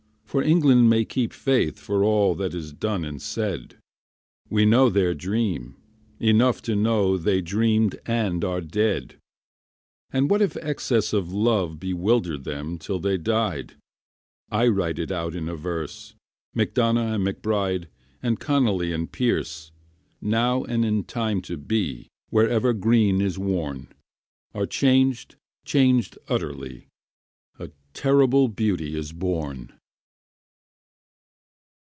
For England may keep faith For all that is done and said. We know their dream; enough To know they dreamed and are dead. And what if excess of love Bewildered them till they died? I write it out in a verse MacDonagh and MacBride And Connolly and Pearse Now and in time to be, Wherever green is worn, Are changed, changed utterly: A terrible beauty is born.